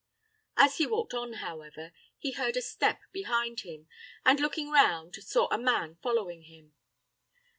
As he walked on, however, he heard a step behind him, and, looking round, saw a man following him.